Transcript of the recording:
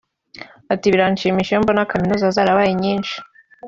Ati “biranshimisha iyo mbona Kaminuza zarabaye nyinshi